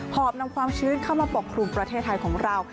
อบนำความชื้นเข้ามาปกครุมประเทศไทยของเรา